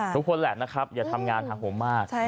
ทุกคนแหละนะครับอย่าทำงานหาผมมาก